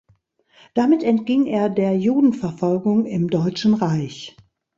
Damit entging er der Judenverfolgung im Deutschen Reich.